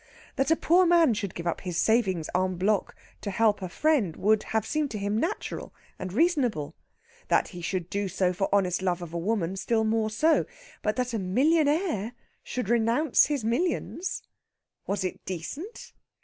That a poor man should give up his savings en bloc to help a friend would have seemed to him natural and reasonable; that he should do so for honest love of a woman still more so; but that a millionaire should renounce his millions! Was it decent?